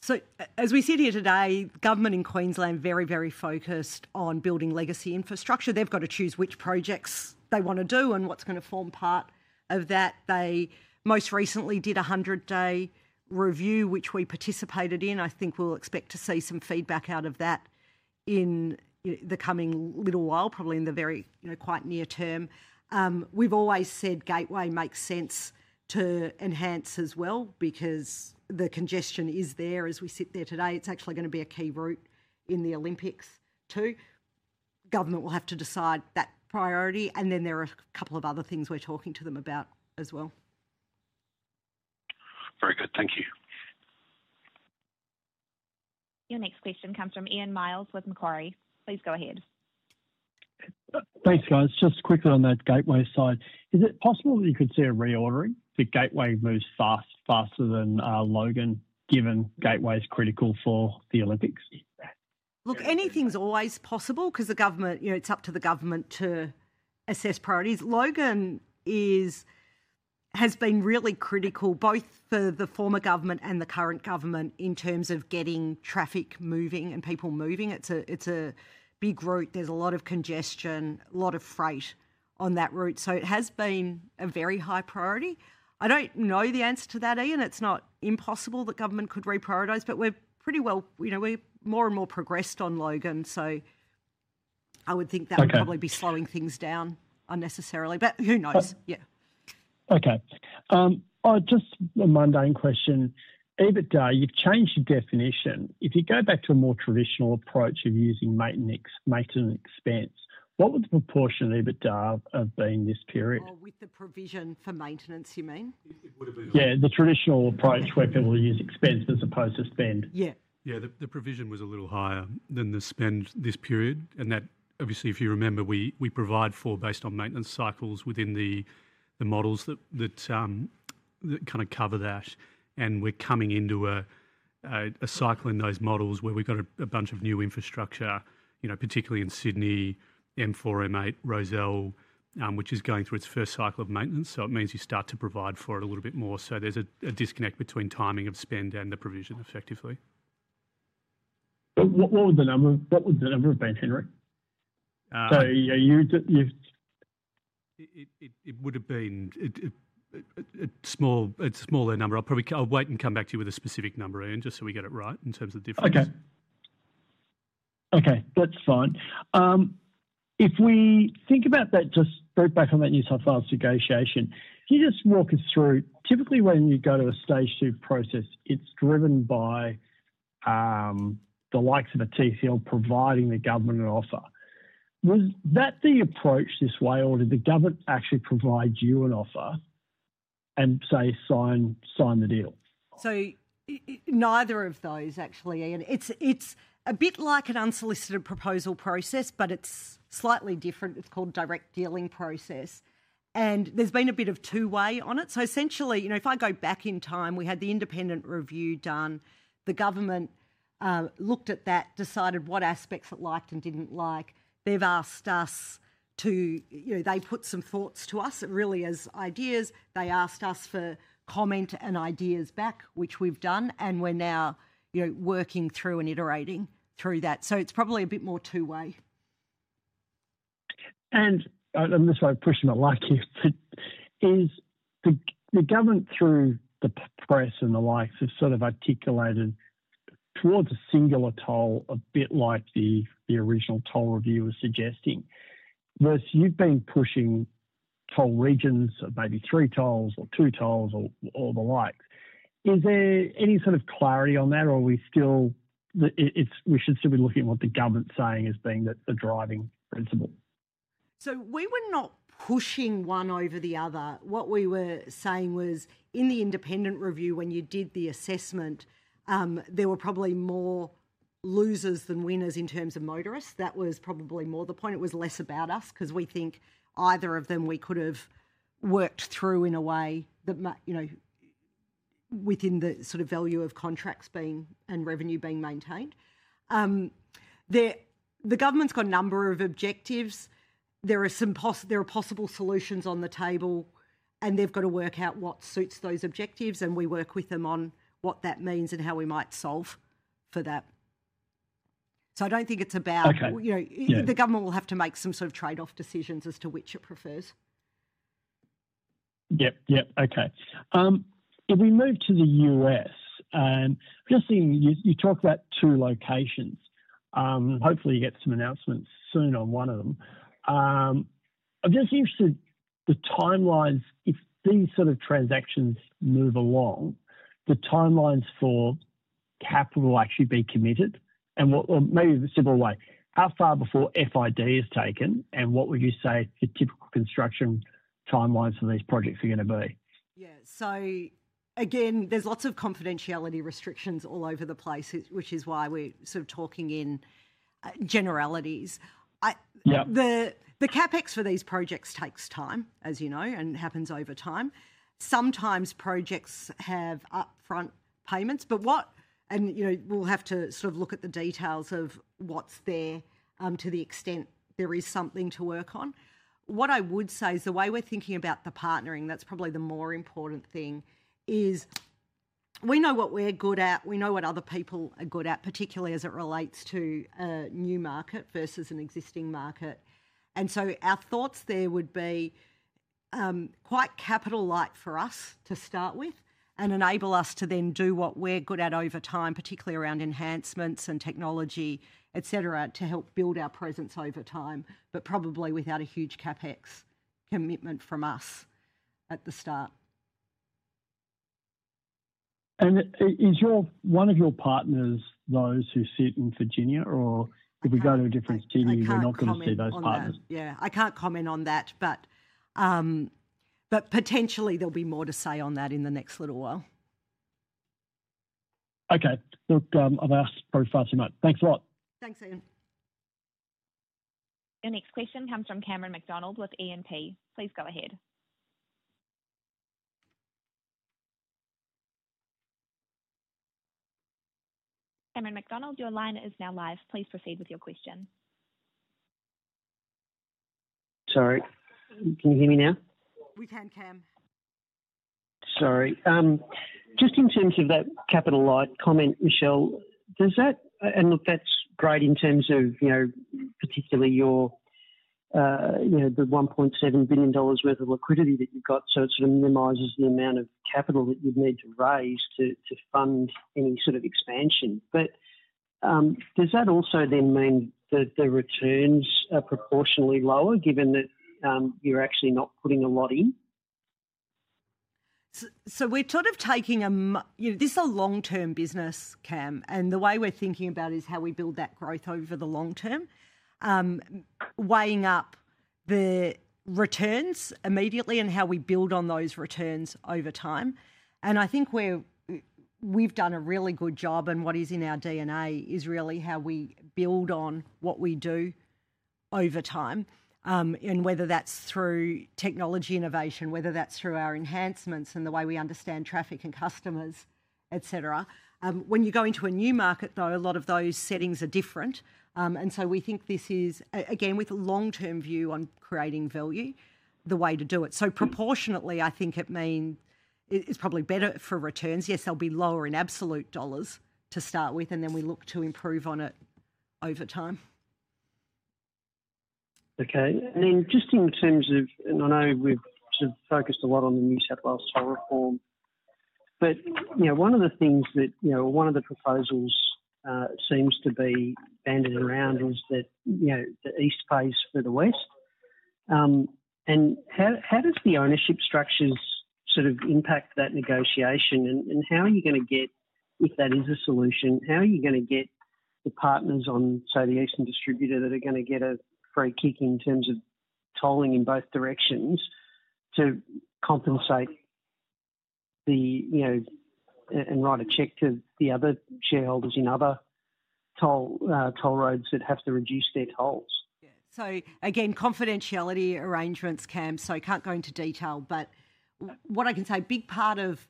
[SPEAKER 3] So as we sit here today, government in Queensland is very, very focused on building legacy infrastructure. They've got to choose which projects they want to do and what's going to form part of that. They most recently did a 100-day review, which we participated in. I think we'll expect to see some feedback out of that in the coming little while, probably in the very quite near term. We've always said Gateway makes sense to enhance as well because the congestion is there as we sit there today. It's actually going to be a key route in the Olympics too. Government will have to decide that priority. And then there are a couple of other things we're talking to them about as well.
[SPEAKER 8] Very good. Thank you.
[SPEAKER 1] Your next question comes from Ian Myles with Macquarie. Please go ahead.
[SPEAKER 9] Thanks, guys. Just quickly on that Gateway side, is it possible that you could see a reordering? The Gateway moves faster than Logan, given Gateway's critical for the Olympics.
[SPEAKER 3] Look, anything's always possible because the government, it's up to the government to assess priorities. Logan has been really critical, both for the former government and the current government, in terms of getting traffic moving and people moving. It's a big route. There's a lot of congestion, a lot of freight on that route. So it has been a very high priority. I don't know the answer to that, Ian. It's not impossible that government could reprioritize, but we're pretty well, we're more and more progressed on Logan. So I would think that would probably be slowing things down unnecessarily. But who knows? Yeah.
[SPEAKER 9] Okay. Just a mundane question. EBITDA, you've changed your definition. If you go back to a more traditional approach of using maintenance expense, what would the proportion of EBITDA have been this period?
[SPEAKER 3] With the provision for maintenance, you mean?
[SPEAKER 9] It would have been higher. Yeah, the traditional approach where people use expense as opposed to spend.
[SPEAKER 3] Yeah.
[SPEAKER 4] Yeah, the provision was a little higher than the spend this period. And that, obviously, if you remember, we provide for based on maintenance cycles within the models that kind of cover that. And we're coming into a cycle in those models where we've got a bunch of new infrastructure, particularly in Sydney, M4-M8, Rozelle, which is going through its first cycle of maintenance. So it means you start to provide for it a little bit more. So there's a disconnect between timing of spend and the provision, effectively. What was the base number, Henry? It would have been a smaller number. I'll wait and come back to you with a specific number, Ian, just so we get it right in terms of difference.
[SPEAKER 9] Okay. Okay, that's fine. If we think about that, just go back on that New South Wales negotiation. Can you just walk us through, typically when you go to a stage two process, it's driven by the likes of a TCL providing the government an offer. Was that the approach this way, or did the government actually provide you an offer and say, "Sign the deal"?
[SPEAKER 3] Neither of those, actually, Ian. It's a bit like an unsolicited proposal process, but it's slightly different. It's called direct dealing process. And there's been a bit of two-way on it. Essentially, if I go back in time, we had the independent review done. The government looked at that, decided what aspects it liked and didn't like. They've asked us to. They put some thoughts to us, really, as ideas. They asked us for comment and ideas back, which we've done. We're now working through and iterating through that. It's probably a bit more two-way.
[SPEAKER 9] I'm not sure I'm pushing it like you, but is the government, through the press and the likes, sort of articulated towards a singular toll, a bit like the original toll review was suggesting, versus you've been pushing toll regions of maybe three tolls or two tolls or the likes. Is there any sort of clarity on that, or are we still, we should still be looking at what the government's saying as being the driving principle?
[SPEAKER 3] We were not pushing one over the other. What we were saying was, in the independent review, when you did the assessment, there were probably more losers than winners in terms of motorists. That was probably more the point. It was less about us because we think either of them we could have worked through in a way within the sort of value of contracts and revenue being maintained. The government's got a number of objectives. There are possible solutions on the table, and they've got to work out what suits those objectives, and we work with them on what that means and how we might solve for that, so I don't think it's about the government will have to make some sort of trade-off decisions as to which it prefers.
[SPEAKER 9] Yep, yep. Okay. If we move to the U.S., I'm just seeing you talk about two locations. Hopefully, you get some announcements soon on one of them. I'm just interested in the timelines. If these sort of transactions move along, the timelines for capital will actually be committed. And maybe the simple way: how far before FID is taken, and what would you say the typical construction timelines for these projects are going to be?
[SPEAKER 3] Yeah. So again, there's lots of confidentiality restrictions all over the place, which is why we're sort of talking in generalities. The CapEx for these projects takes time, as you know, and happens over time. Sometimes projects have upfront payments, but what, and we'll have to sort of look at the details of what's there to the extent there is something to work on. What I would say is the way we're thinking about the partnering, that's probably the more important thing, is we know what we're good at. We know what other people are good at, particularly as it relates to a new market versus an existing market. Our thoughts there would be quite capital-light for us to start with and enable us to then do what we're good at over time, particularly around enhancements and technology, etc., to help build our presence over time, but probably without a huge CapEx commitment from us at the start.
[SPEAKER 9] Is one of your partners those who sit in Virginia, or if we go to a different city, we're not going to see those partners?
[SPEAKER 3] Yeah, I can't comment on that, but potentially there'll be more to say on that in the next little while. Okay. Look, I've asked probably far too much.
[SPEAKER 9] Thanks a lot.
[SPEAKER 3] Thanks, Ian.
[SPEAKER 1] Your next question comes from Cameron McDonald with E&P. Please go ahead. Cameron McDonald, your line is now live. Please proceed with your question.
[SPEAKER 10] Sorry. Can you hear me now?
[SPEAKER 3] We can, Cam.
[SPEAKER 10] Sorry. Just in terms of that capital-light comment, Michelle, and look, that's great in terms of particularly the 1.7 billion dollars worth of liquidity that you've got. So it sort of minimises the amount of capital that you'd need to raise to fund any sort of expansion. But does that also then mean that the returns are proportionally lower given that you're actually not putting a lot in?
[SPEAKER 3] So we're sort of taking a, this is a long-term business, Cam. And the way we're thinking about it is how we build that growth over the long term, weighing up the returns immediately and how we build on those returns over time. I think we've done a really good job, and what is in our DNA is really how we build on what we do over time, and whether that's through technology innovation, whether that's through our enhancements and the way we understand traffic and customers, etc. When you go into a new market, though, a lot of those settings are different. We think this is, again, with a long-term view on creating value, the way to do it. Proportionately, I think it means it's probably better for returns. Yes, they'll be lower in absolute dollars to start with, and then we look to improve on it over time.
[SPEAKER 10] Okay. And then just in terms of, and I know we've sort of focused a lot on the New South Wales toll reform, but one of the things that one of the proposals seems to be bandied around is the East-West for the West. And how does the ownership structures sort of impact that negotiation? And how are you going to get, if that is a solution, how are you going to get the partners on, say, the Eastern Distributor that are going to get a free kick in terms of tolling in both directions to compensate and write a check to the other shareholders in other toll roads that have to reduce their tolls?
[SPEAKER 3] Yeah. So again, confidentiality arrangements, Cam. So I can't go into detail, but what I can say, a big part of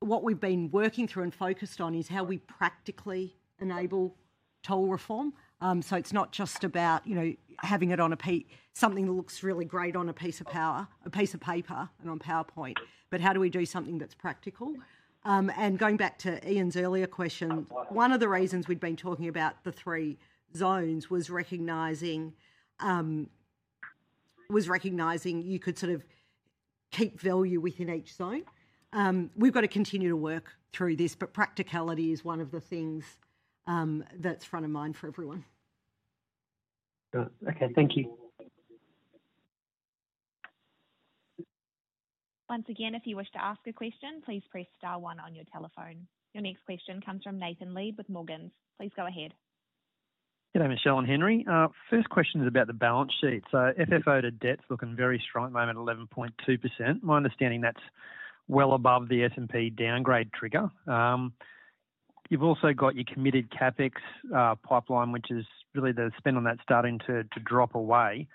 [SPEAKER 3] what we've been working through and focused on is how we practically enable toll reform. So it's not just about having it on a piece, something that looks really great on a piece of paper and on PowerPoint, but how do we do something that's practical? And going back to Ian's earlier question, one of the reasons we'd been talking about the three zones was recognizing you could sort of keep value within each zone. We've got to continue to work through this, but practicality is one of the things that's front of mind for everyone.
[SPEAKER 10] Okay. Thank you.
[SPEAKER 1] Once again, if you wish to ask a question, please press star one on your telephone. Your next question comes from Nathan Lead with Morgans. Please go ahead.
[SPEAKER 11] Hello, Michelle and Henry. First question is about the balance sheet. So FFO to debt's looking very strong at the moment, 11.2%. My understanding that's well above the S&P downgrade trigger. You've also got your committed CapEx pipeline, which is really the spend on that starting to drop away.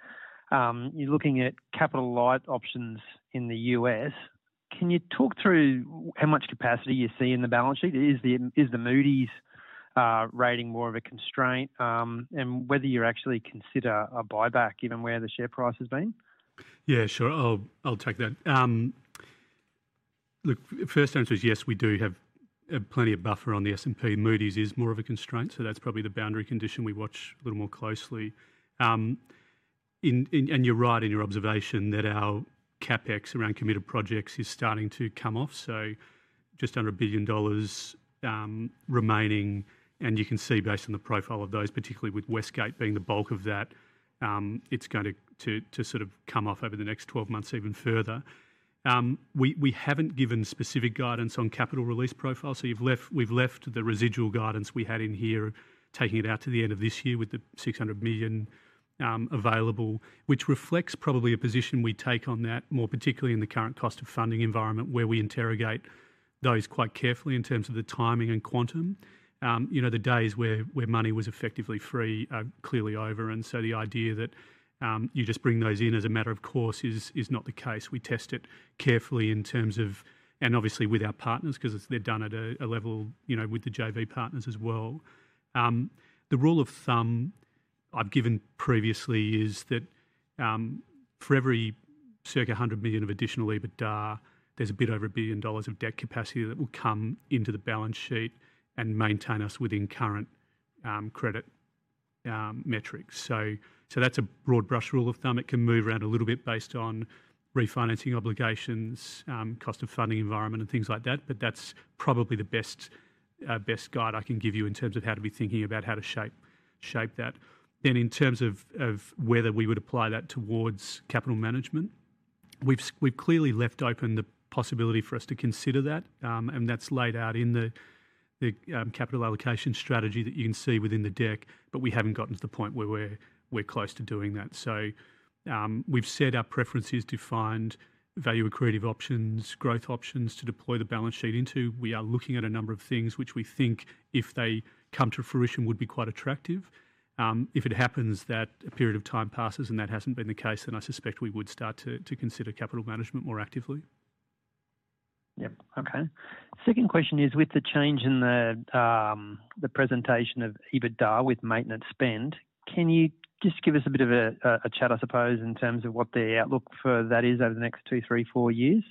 [SPEAKER 11] You're looking at capital-light options in the U.S. Can you talk through how much capacity you see in the balance sheet? Is the Moody's rating more of a constraint and whether you actually consider a buyback given where the share price has been?
[SPEAKER 4] Yeah, sure. I'll take that. Look, first answer is yes, we do have plenty of buffer on the S&P. Moody's is more of a constraint, so that's probably the boundary condition we watch a little more closely. And you're right in your observation that our CapEx around committed projects is starting to come off. So just under 1 billion dollars remaining, and you can see based on the profile of those, particularly with West Gate being the bulk of that, it's going to sort of come off over the next 12 months even further. We haven't given specific guidance on capital release profile. So we've left the residual guidance we had in here, taking it out to the end of this year with the 600 million available, which reflects probably a position we take on that, more particularly in the current cost of funding environment where we interrogate those quite carefully in terms of the timing and quantum. The days where money was effectively free are clearly over. And so the idea that you just bring those in as a matter of course is not the case. We test it carefully in terms of, and obviously with our partners because they're done at a level with the JV partners as well. The rule of thumb I've given previously is that for every circa 100 million of additional EBITDA, there's a bit over 1 billion dollars of debt capacity that will come into the balance sheet and maintain us within current credit metrics. So that's a broad brush rule of thumb. It can move around a little bit based on refinancing obligations, cost of funding environment, and things like that, but that's probably the best guide I can give you in terms of how to be thinking about how to shape that. Then in terms of whether we would apply that towards capital management, we've clearly left open the possibility for us to consider that, and that's laid out in the capital allocation strategy that you can see within the deck, but we haven't gotten to the point where we're close to doing that. So we've set our preferences to find value-accretive options, growth options to deploy the balance sheet into. We are looking at a number of things which we think, if they come to fruition, would be quite attractive. If it happens that a period of time passes and that hasn't been the case, then I suspect we would start to consider capital management more actively.
[SPEAKER 11] Yep. Okay. Second question is, with the change in the presentation of EBITDA with maintenance spend, can you just give us a bit of a chat, I suppose, in terms of what the outlook for that is over the next two, three, four years,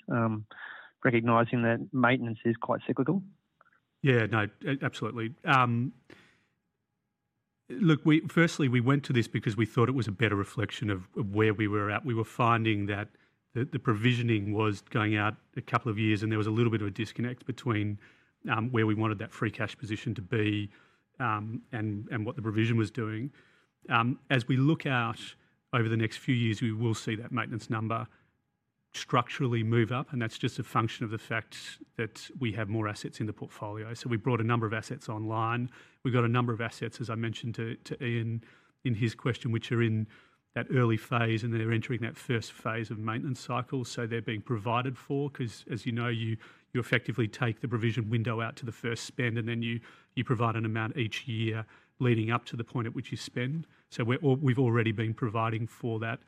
[SPEAKER 11] recognizing that maintenance is quite cyclical?
[SPEAKER 4] Yeah. No, absolutely. Look, firstly, we went to this because we thought it was a better reflection of where we were at. We were finding that the provisioning was going out a couple of years, and there was a little bit of a disconnect between where we wanted that free cash position to be and what the provision was doing. As we look out over the next few years, we will see that maintenance number structurally move up, and that's just a function of the fact that we have more assets in the portfolio. So we brought a number of assets online. We got a number of assets, as I mentioned to Ian in his question, which are in that early phase, and they're entering that first phase of maintenance cycle. So they're being provided for because, as you know, you effectively take the provision window out to the first spend, and then you provide an amount each year leading up to the point at which you spend. So we've already been providing for that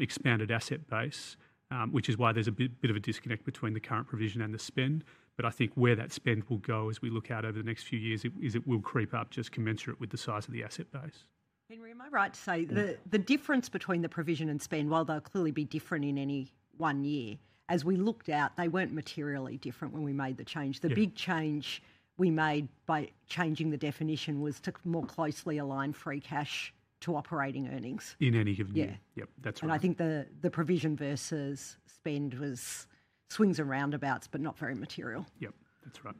[SPEAKER 4] expanded asset base, which is why there's a bit of a disconnect between the current provision and the spend. But I think where that spend will go as we look out over the next few years is it will creep up just commensurate with the size of the asset base.
[SPEAKER 3] Henry, am I right to say the difference between the provision and spend, while they'll clearly be different in any one year, as we looked out, they weren't materially different when we made the change. The big change we made by changing the definition was to more closely align free cash to operating earnings.
[SPEAKER 4] In any given year.
[SPEAKER 11] Yep. That's right.
[SPEAKER 3] And I think the provision versus spend swings around abouts, but not very material.
[SPEAKER 11] Yep. That's right.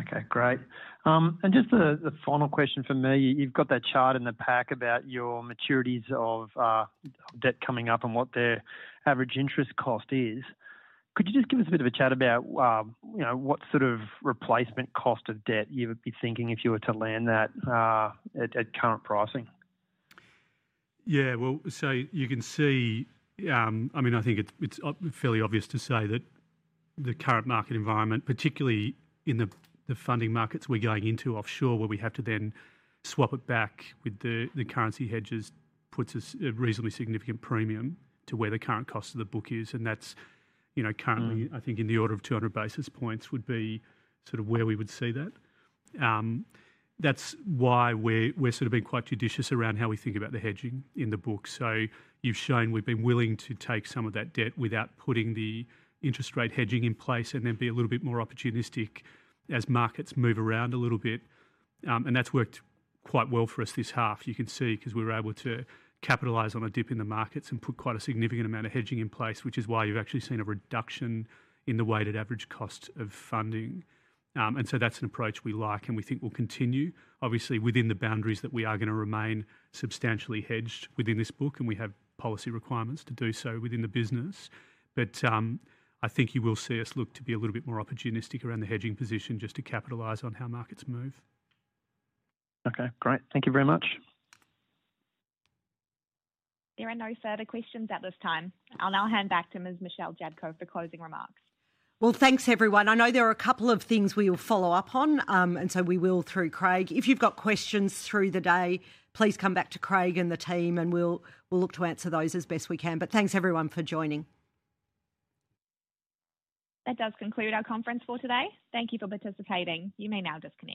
[SPEAKER 11] Okay. Great. And just the final question for me. You've got that chart in the pack about your maturities of debt coming up and what their average interest cost is. Could you just give us a bit of a chat about what sort of replacement cost of debt you would be thinking if you were to land that at current pricing?
[SPEAKER 4] Yeah. So you can see, I mean, I think it's fairly obvious to say that the current market environment, particularly in the funding markets we're going into offshore, where we have to then swap it back with the currency hedges, puts a reasonably significant premium to where the current cost of the book is. And that's currently, I think, in the order of 200 basis points. That would be sort of where we would see that. That's why we're sort of being quite judicious around how we think about the hedging in the book. So you've shown we've been willing to take some of that debt without putting the interest rate hedging in place and then be a little bit more opportunistic as markets move around a little bit. And that's worked quite well for us this half. You can see because we were able to capitalize on a dip in the markets and put quite a significant amount of hedging in place, which is why you've actually seen a reduction in the weighted average cost of funding. And so that's an approach we like, and we think we'll continue, obviously, within the boundaries that we are going to remain substantially hedged within this book, and we have policy requirements to do so within the business. But I think you will see us look to be a little bit more opportunistic around the hedging position just to capitalize on how markets move.
[SPEAKER 11] Okay. Great. Thank you very much.
[SPEAKER 1] There are no further questions at this time. I'll now hand back to Ms. Michelle Jablko for closing remarks.
[SPEAKER 3] Well, thanks, everyone. I know there are a couple of things we will follow up on, and so we will through Craig. If you've got questions through the day, please come back to Craig and the team, and we'll look to answer those as best we can. But thanks, everyone, for joining.
[SPEAKER 1] That does conclude our conference for today. Thank you for participating. You may now just go.